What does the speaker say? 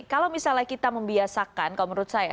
kalau misalnya kita membiasakan kalau menurut saya